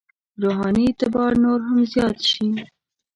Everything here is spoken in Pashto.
روحاني اعتبار نور هم زیات شي.